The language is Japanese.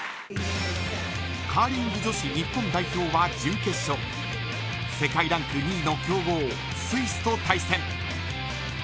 カーリング女子日本代表は準決勝世界ランク２位の強豪スイスと対戦。